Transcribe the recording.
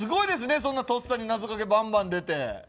そんなとっさに謎かけバンバン出て。